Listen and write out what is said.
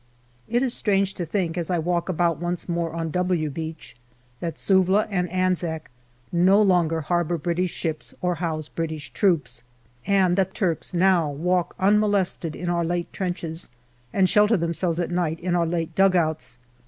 It is strange to think, as I walk about once more on " W " Beach, that Suvla and Anzac no longer harbour British ships or house British troops, and that Turks now walk about unmolested in our late trenches and shelter themselves at night in our late dugouts.